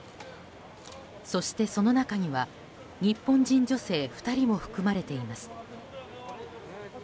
そして、その中には日本人女性２人も含まれています。